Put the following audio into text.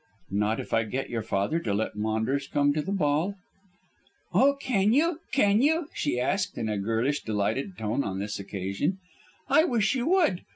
"Not if I get your father to let Maunders come to the ball?" "Oh, can you; can you?" she asked, in a girlish, delighted tone on this occasion. "I wish you would.